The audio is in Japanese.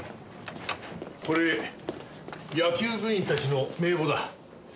これ野球部員たちの名簿だ。